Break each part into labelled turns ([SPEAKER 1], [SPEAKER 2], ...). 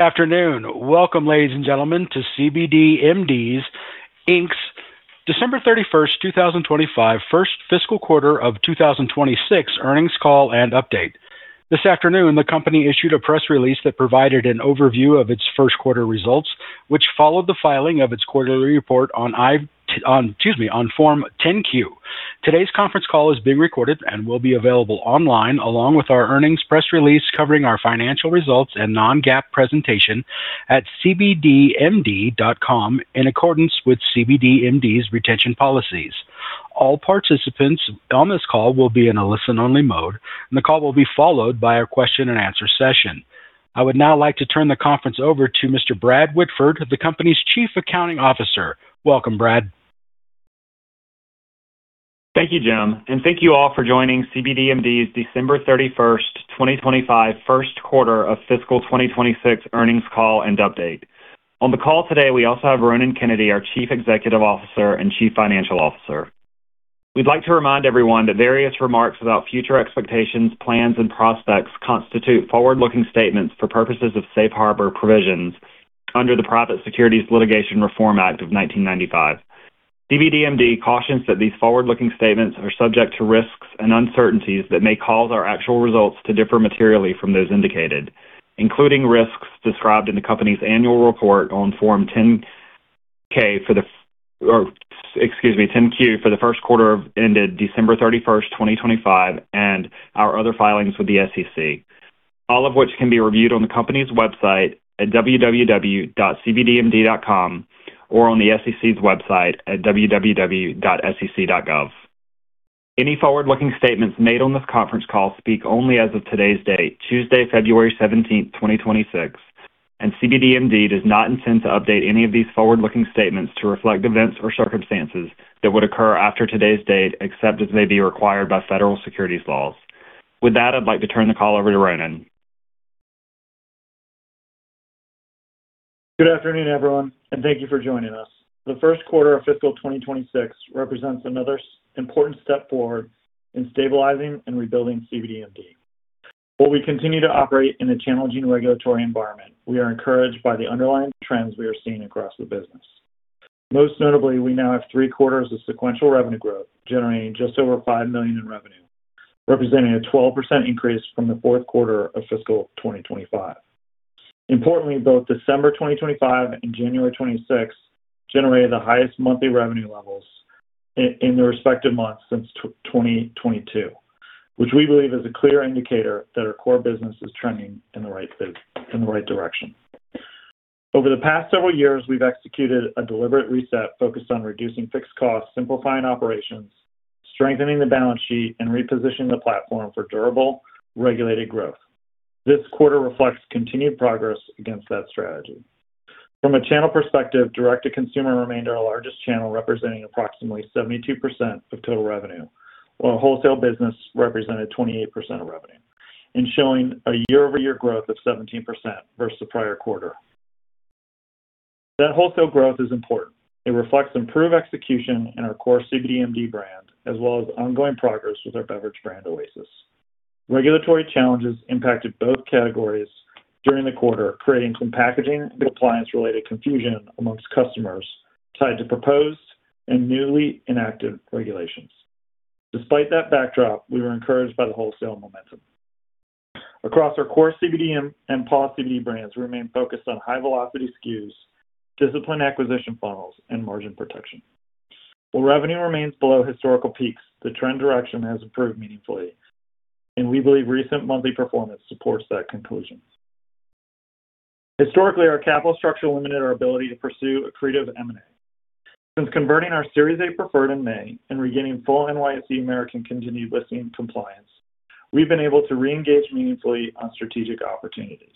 [SPEAKER 1] Good afternoon. Welcome, ladies and gentlemen, to cbdMD, Inc.'s December 31st, 2025, First Fiscal Quarter of 2026 earnings call and update. This afternoon, the company issued a press release that provided an overview of its first quarter results, which followed the filing of its quarterly report on, excuse me, on Form 10-Q. Today's conference call is being recorded and will be available online, along with our earnings press release covering our financial results and non-GAAP presentation at cbdmd.com, in accordance with cbdMD's retention policies. All participants on this call will be in a listen-only mode, and the call will be followed by a question-and-answer session. I would now like to turn the conference over to Mr. Brad Whitford, the company's Chief Accounting Officer. Welcome, Brad.
[SPEAKER 2] Thank you, Jim, and thank you all for joining cbdMD's December 31, 2025, First Quarter of Fiscal 2026 earnings call and update. On the call today, we also have Ronan Kennedy, our Chief Executive Officer and Chief Financial Officer. We'd like to remind everyone that various remarks about future expectations, plans, and prospects constitute forward-looking statements for purposes of safe harbor provisions under the Private Securities Litigation Reform Act of 1995. cbdMD cautions that these forward-looking statements are subject to risks and uncertainties that may cause our actual results to differ materially from those indicated, including risks described in the company's annual report on Form 10-K for the, or excuse me, 10-Q for the first quarter ended December 31, 2025, and our other filings with the SEC. All of which can be reviewed on the company's website at www.cbdmd.com, or on the SEC's website at www.sec.gov. Any forward-looking statements made on this conference call speak only as of today's date, Tuesday, February 17th, 2026, and cbdMD does not intend to update any of these forward-looking statements to reflect events or circumstances that would occur after today's date, except as may be required by federal securities laws. With that, I'd like to turn the call over to Ronan.
[SPEAKER 3] Good afternoon, everyone, and thank you for joining us. The first quarter of fiscal 2026 represents another important step forward in stabilizing and rebuilding cbdMD. While we continue to operate in a challenging regulatory environment, we are encouraged by the underlying trends we are seeing across the business. Most notably, we now have three quarters of sequential revenue growth, generating just over $5 million in revenue, representing a 12% increase from the fourth quarter of fiscal 2025. Importantly, both December 2025 and January 2026 generated the highest monthly revenue levels in the respective months since 2022, which we believe is a clear indicator that our core business is trending in the right direction. Over the past several years, we've executed a deliberate reset focused on reducing fixed costs, simplifying operations, strengthening the balance sheet, and repositioning the platform for durable, regulated growth. This quarter reflects continued progress against that strategy. From a channel perspective, direct-to-consumer remained our largest channel, representing approximately 72% of total revenue, while our wholesale business represented 28% of revenue, and showing a year-over-year growth of 17% versus the prior quarter. That wholesale growth is important. It reflects improved execution in our core cbdMD brand, as well as ongoing progress with our beverage brand, Oasis. Regulatory challenges impacted both categories during the quarter, creating some packaging and compliance-related confusion among customers tied to proposed and newly enacted regulations. Despite that backdrop, we were encouraged by the wholesale momentum. Across our core CBD and Paw CBD brands, we remain focused on high-velocity SKUs, disciplined acquisition funnels, and margin protection. While revenue remains below historical peaks, the trend direction has improved meaningfully, and we believe recent monthly performance supports that conclusion. Historically, our capital structure limited our ability to pursue accretive M&A. Since converting our Series A Preferred in May and regaining full NYSE American continued listing compliance, we've been able to reengage meaningfully on strategic opportunities.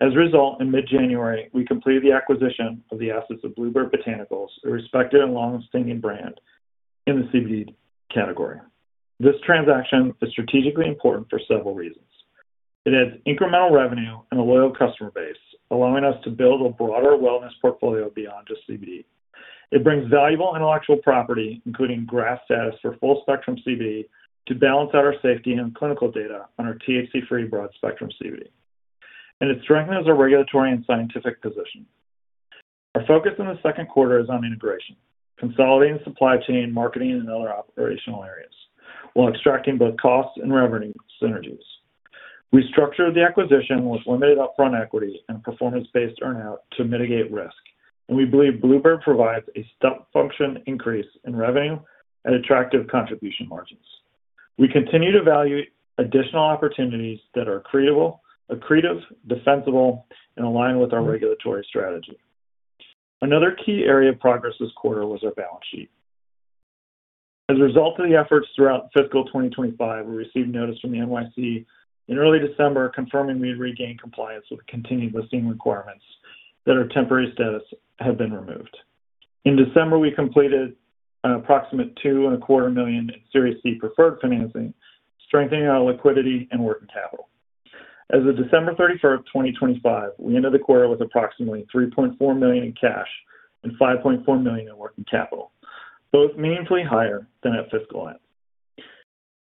[SPEAKER 3] As a result, in mid-January, we completed the acquisition of the assets of Bluebird Botanicals, a respected and long-standing brand in the CBD category. This transaction is strategically important for several reasons. It adds incremental revenue and a loyal customer base, allowing us to build a broader wellness portfolio beyond just CBD. It brings valuable intellectual property, including GRAS status for full-spectrum CBD, to balance out our safety and clinical data on our THC-free broad-spectrum CBD. It strengthens our regulatory and scientific position. Our focus in the second quarter is on integration, consolidating supply chain, marketing, and other operational areas, while extracting both costs and revenue synergies. We structured the acquisition with limited upfront equity and performance-based earn-out to mitigate risk, and we believe Bluebird provides a step function increase in revenue and attractive contribution margins. We continue to evaluate additional opportunities that are creatable, accretive, defensible, and align with our regulatory strategy. Another key area of progress this quarter was our balance sheet. As a result of the efforts throughout fiscal 2025, we received notice from the NYSE in early December, confirming we had regained compliance with continued listing requirements that our temporary status had been removed. In December, we completed approximately $2.25 million in Series C Preferred financing, strengthening our liquidity and working capital. As of December 31, 2025, we ended the quarter with approximately $3.4 million in cash and $5.4 million in working capital, both meaningfully higher than at fiscal end....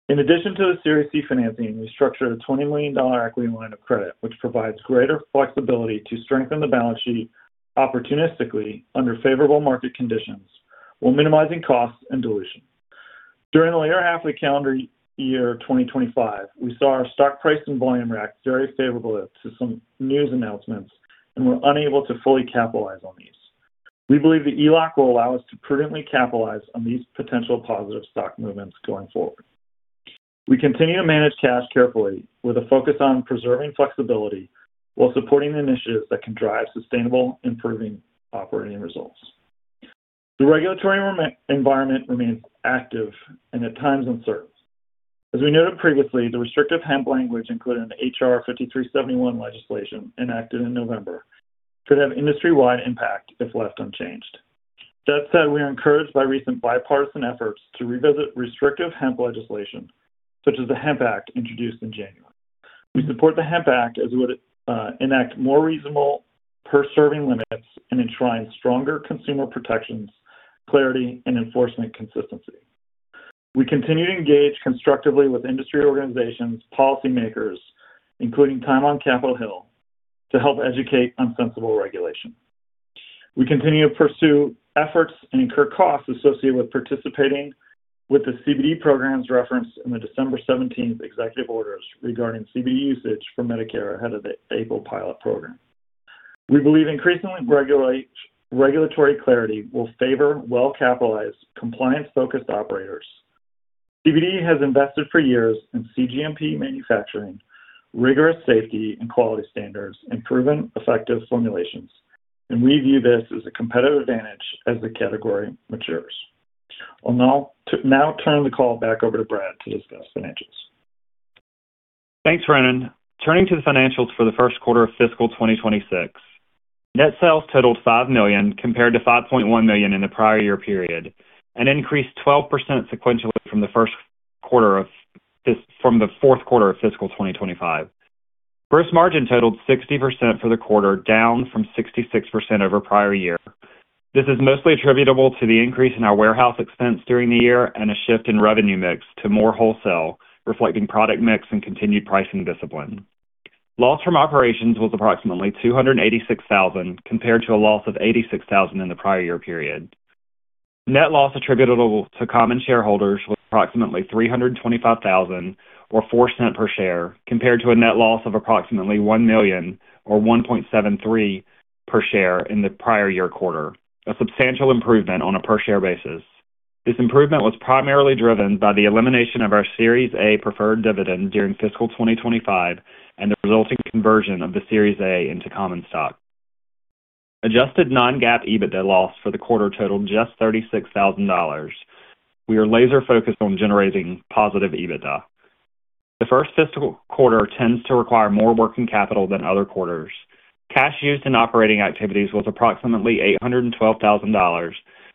[SPEAKER 3] In addition to the Series C financing, we structured a $20 million equity line of credit, which provides greater flexibility to strengthen the balance sheet opportunistically under favorable market conditions, while minimizing costs and dilution. During the latter half of the calendar year 2025, we saw our stock price and volume react very favorably to some news announcements, and were unable to fully capitalize on these. We believe the ELOC will allow us to prudently capitalize on these potential positive stock movements going forward. We continue to manage cash carefully, with a focus on preserving flexibility, while supporting initiatives that can drive sustainable, improving operating results. The regulatory environment remains active and at times uncertain. As we noted previously, the restrictive hemp language included in the H.R. 5371 legislation enacted in November could have industry-wide impact if left unchanged. That said, we are encouraged by recent bipartisan efforts to revisit restrictive hemp legislation, such as the Hemp Act introduced in January. We support the Hemp Act as it would enact more reasonable per-serving limits and enshrine stronger consumer protections, clarity, and enforcement consistency. We continue to engage constructively with industry organizations, policymakers, including time on Capitol Hill, to help educate on sensible regulation. We continue to pursue efforts and incur costs associated with participating with the CBD programs referenced in the December 17 executive orders regarding CBD usage for Medicare ahead of the April pilot program. We believe increasingly regulatory clarity will favor well-capitalized, compliance-focused operators. CBD has invested for years in cGMP manufacturing, rigorous safety and quality standards, and proven effective formulations, and we view this as a competitive advantage as the category matures. I'll now turn the call back over to Brad to discuss financials.
[SPEAKER 2] Thanks, Ronan. Turning to the financials for the first quarter of fiscal 2026. Net sales totaled $5 million, compared to $5.1 million in the prior year period, and increased 12% sequentially from the fourth quarter of fiscal 2025. Gross margin totaled 60% for the quarter, down from 66% over prior year. This is mostly attributable to the increase in our warehouse expense during the year and a shift in revenue mix to more wholesale, reflecting product mix and continued pricing discipline. Loss from operations was approximately $286,000, compared to a loss of $86,000 in the prior year period. Net loss attributable to common shareholders was approximately $325,000, or $0.04 per share, compared to a net loss of approximately $1 million, or $1.73 per share in the prior year quarter, a substantial improvement on a per-share basis. This improvement was primarily driven by the elimination of our Series A preferred dividend during fiscal 2025 and the resulting conversion of the Series A into common stock. Adjusted non-GAAP EBITDA loss for the quarter totaled just $36,000. We are laser-focused on generating positive EBITDA. The first fiscal quarter tends to require more working capital than other quarters. Cash used in operating activities was approximately $812,000,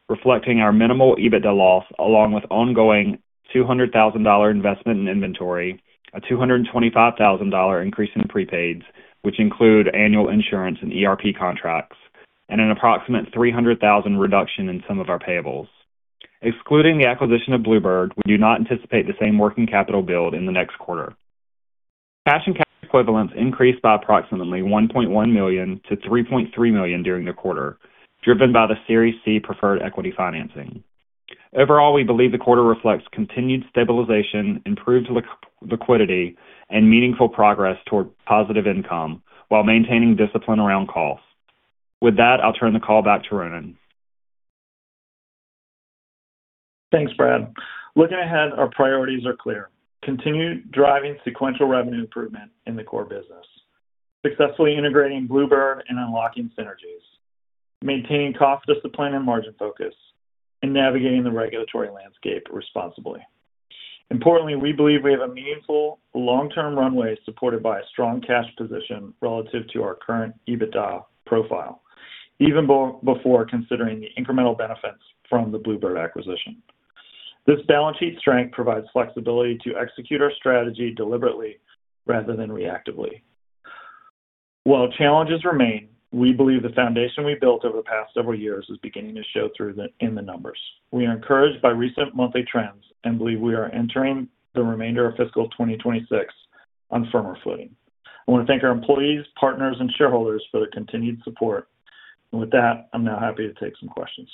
[SPEAKER 2] reflecting our minimal EBITDA loss, along with ongoing $200,000 investment in inventory, a $225,000 increase in prepaids, which include annual insurance and ERP contracts, and an approximate $300,000 reduction in some of our payables. Excluding the acquisition of Bluebird, we do not anticipate the same working capital build in the next quarter. Cash and cash equivalents increased by approximately $1.1 million to $3.3 million during the quarter, driven by the Series C Preferred equity financing. Overall, we believe the quarter reflects continued stabilization, improved liquidity, and meaningful progress toward positive income while maintaining discipline around costs. With that, I'll turn the call back to Ronan.
[SPEAKER 3] Thanks, Brad. Looking ahead, our priorities are clear. Continue driving sequential revenue improvement in the core business, successfully integrating Bluebird and unlocking synergies, maintaining cost discipline and margin focus, and navigating the regulatory landscape responsibly. Importantly, we believe we have a meaningful long-term runway supported by a strong cash position relative to our current EBITDA profile, even before considering the incremental benefits from the Bluebird acquisition. This balance sheet strength provides flexibility to execute our strategy deliberately rather than reactively. While challenges remain, we believe the foundation we built over the past several years is beginning to show through in the numbers. We are encouraged by recent monthly trends and believe we are entering the remainder of fiscal 2026 on firmer footing. I want to thank our employees, partners, and shareholders for their continued support. And with that, I'm now happy to take some questions.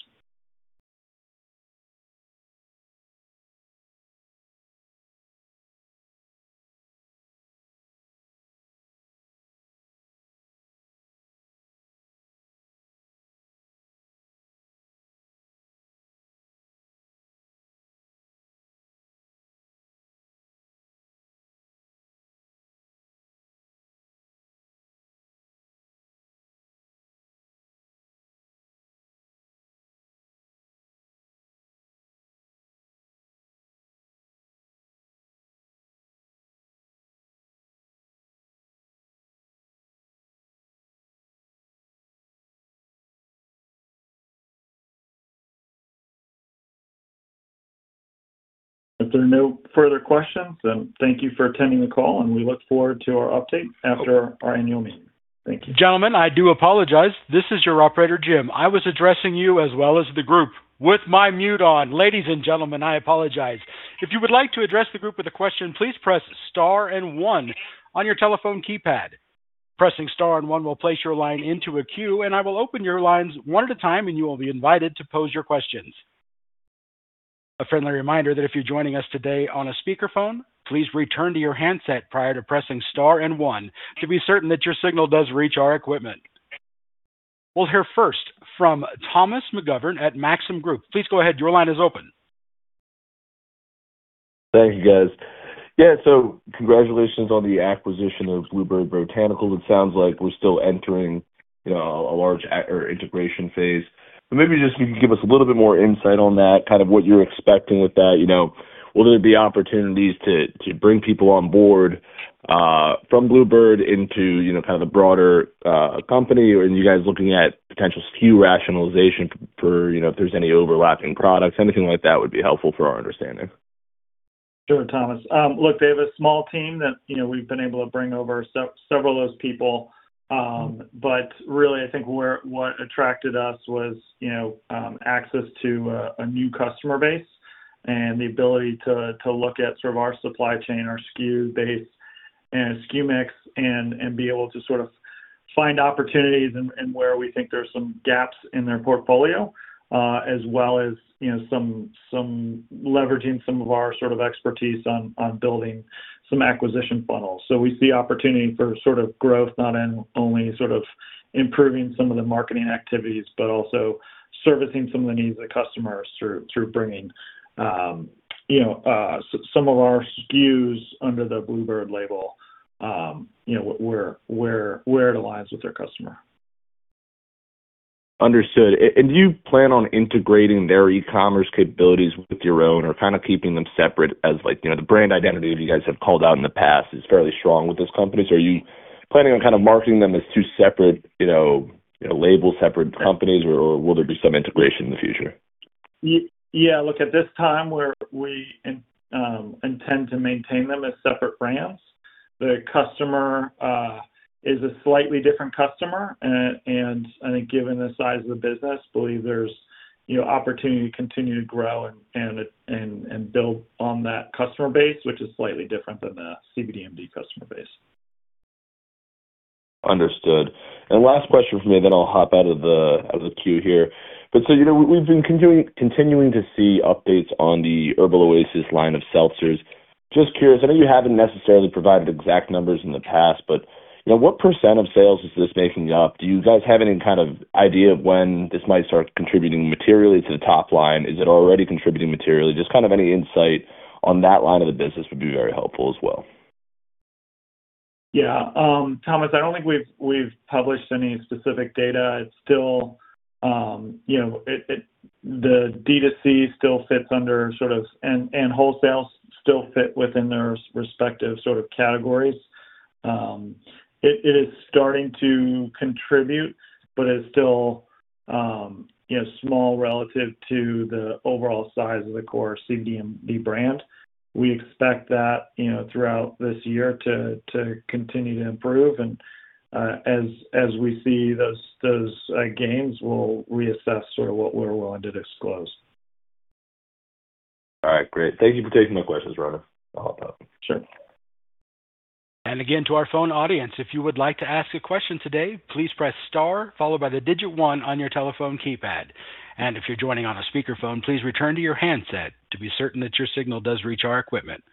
[SPEAKER 3] If there are no further questions, then thank you for attending the call, and we look forward to our update after our annual meeting.
[SPEAKER 1] ...Gentlemen, I do apologize. This is your operator, Jim. I was addressing you as well as the group with my mute on. Ladies and gentlemen, I apologize. If you would like to address the group with a question, please press star and one on your telephone keypad. Pressing star and one will place your line into a queue, and I will open your lines one at a time, and you will be invited to pose your questions. A friendly reminder that if you're joining us today on a speakerphone, please return to your handset prior to pressing star and one to be certain that your signal does reach our equipment. We'll hear first from Thomas McGovern at Maxim Group. Please go ahead. Your line is open.
[SPEAKER 4] Thank you, guys. Yeah, so congratulations on the acquisition of Bluebird Botanicals. It sounds like we're still entering, you know, a large integration phase. So maybe just you can give us a little bit more insight on that, kind of what you're expecting with that. You know, will there be opportunities to bring people on board from Bluebird into, you know, kind of the broader company, or are you guys looking at potential SKU rationalization for, you know, if there's any overlapping products? Anything like that would be helpful for our understanding.
[SPEAKER 3] Sure, Thomas. Look, they have a small team that, you know, we've been able to bring over several of those people. But really, I think what attracted us was, you know, access to a new customer base and the ability to look at sort of our supply chain, our SKU base and SKU mix, and be able to sort of find opportunities and where we think there are some gaps in their portfolio. As well as, you know, some leveraging some of our sort of expertise on building some acquisition funnels. So we see opportunity for sort of growth, not only in sort of improving some of the marketing activities, but also servicing some of the needs of the customers through bringing, you know, some of our SKUs under the Bluebird label. You know, where it aligns with their customer.
[SPEAKER 4] Understood. And do you plan on integrating their e-commerce capabilities with your own or kind of keeping them separate as like, you know, the brand identity that you guys have called out in the past is fairly strong with those companies. Are you planning on kind of marketing them as two separate, you know, you know, labels, separate companies, or, or will there be some integration in the future?
[SPEAKER 3] Yeah, look, at this time, we're, we intend to maintain them as separate brands. The customer is a slightly different customer. And, and I think given the size of the business, believe there's, you know, opportunity to continue to grow and, and, and, and build on that customer base, which is slightly different than the cbdMD customer base.
[SPEAKER 4] Understood. Last question from me, then I'll hop out of the queue here. But so, you know, we've been continuing to see updates on the Oasis line of seltzers. Just curious, I know you haven't necessarily provided exact numbers in the past, but, you know, what % of sales is this making up? Do you guys have any kind of idea of when this might start contributing materially to the top line? Is it already contributing materially? Just kind of any insight on that line of the business would be very helpful as well.
[SPEAKER 3] Yeah, Thomas, I don't think we've published any specific data. It's still, you know, The D2C still fits under sort of, and wholesale still fit within their respective sort of categories. It is starting to contribute, but it's still, you know, small relative to the overall size of the core cbdMD brand. We expect that, you know, throughout this year to continue to improve, and, as we see those gains, we'll reassess sort of what we're willing to disclose.
[SPEAKER 4] All right, great. Thank you for taking my questions, Ronan. I'll hop out.
[SPEAKER 3] Sure.
[SPEAKER 1] Again, to our phone audience, if you would like to ask a question today, please press star, followed by the digit one on your telephone keypad. And if you're joining on a speakerphone, please return to your handset to be certain that your signal does reach our equipment.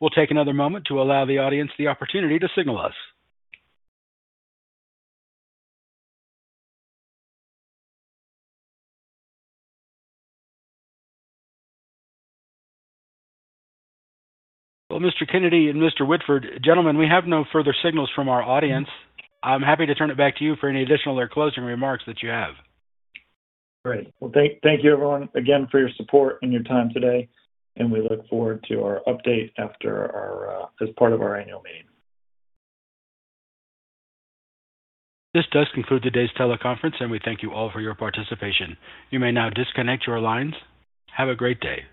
[SPEAKER 1] We'll take another moment to allow the audience the opportunity to signal us. Well, Mr. Kennedy and Mr. Whitford, gentlemen, we have no further signals from our audience. I'm happy to turn it back to you for any additional or closing remarks that you have.
[SPEAKER 3] Great. Well, thank you, everyone, again for your support and your time today, and we look forward to our update after our, as part of our annual meeting.
[SPEAKER 1] This does conclude today's teleconference, and we thank you all for your participation. You may now disconnect your lines. Have a great day.